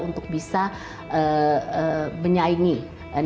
untuk bisa menyaini negara negara yang lebih besar dan lebih besar